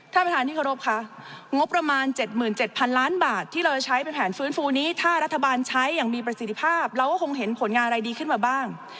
ท่านประธานที่เคารพค่ะงบประมาณ๗๗๐๐ล้านบาทที่เราจะใช้เป็นแผนฟื้นฟูนี้ถ้ารัฐบาลใช้อย่างมีประสิทธิภาพเราก็คงเห็นผลงานอะไรดีขึ้นมาบ้าง